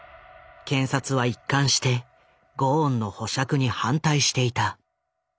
検察は一貫してゴーンの保釈に反対していた。